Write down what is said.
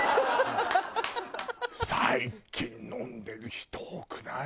最近飲んでる人多くない？